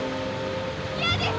嫌です！